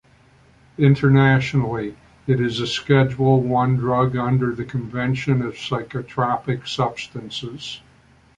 Internationally, it is a Schedule One drug under the Convention on Psychotropic Substances.